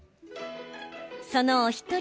その、お一人。